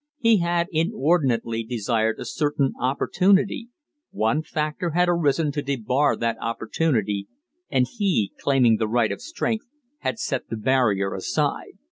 He had inordinately desired a certain opportunity; one factor had arisen to debar that opportunity, and he, claiming the right of strength, had set the barrier aside.